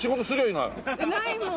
ないもん！